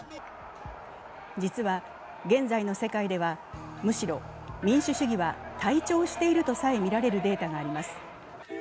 実は現在の世界では、むしろ民主主義は退潮しているとさえみられるデータがあります。